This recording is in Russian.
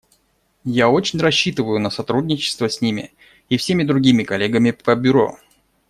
Я очень рассчитываю на сотрудничество с ними и всеми другими коллегами по Бюро.